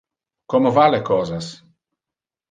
Como va le cosas?